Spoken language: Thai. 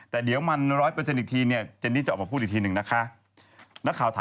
แต่ยังไม่ออกนะ